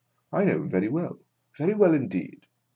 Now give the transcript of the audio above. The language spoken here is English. I know him very well ; very well, indeed.